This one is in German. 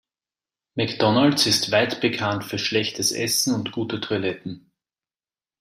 McDonald's ist weit bekannt für schlechtes Essen und gute Toiletten.